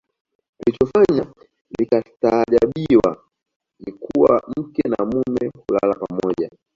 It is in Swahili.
Kilichofanya likastaajabiwa ni kuwa mke na mume hulala pamoja